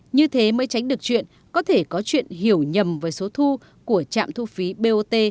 như thế mới tránh được chuyện có thể có chuyện hiểu nhầm với số thu của trạm thu phí bot